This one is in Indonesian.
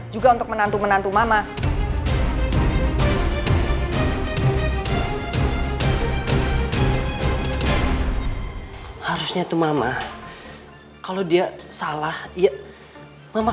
juga untuk menantu menantu mama